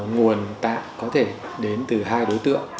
nguồn tạng có thể đến từ hai đối tượng